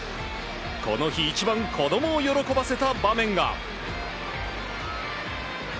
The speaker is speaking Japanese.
この日、一番子供を喜ばせた場面が。